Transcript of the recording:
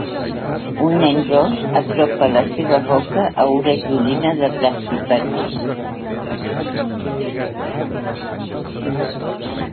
Un nen ros apropa la seva boca a una joguina de plàstic vermell.